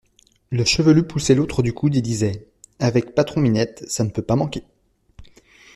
Le chevelu poussait l'autre du coude et disait : Avec Patron-Minette, ça ne peut pas manquer.